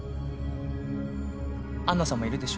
杏奈さんもいるでしょ？